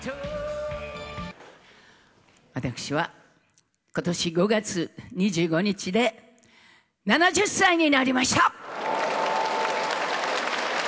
私は、ことし５月２５日で７０歳になりました。